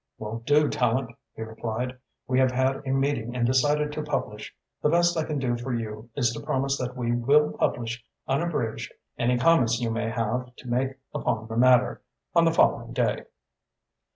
"Won't do, Tallente," he replied. "We have had a meeting and decided to publish. The best I can do for you is to promise that we will publish unabridged any comments you may have to make upon the matter, on the following day."